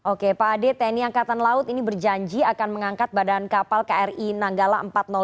oke pak ade tni angkatan laut ini berjanji akan mengangkat badan kapal kri nanggala empat ratus dua